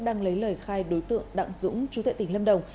đang lấy lời khai đối tượng đặng dũng chú tại tỉnh lâm đồng